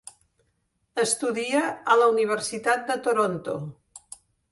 Estudia a la Universitat de Toronto.